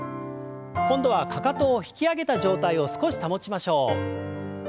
今度はかかとを引き上げた状態を少し保ちましょう。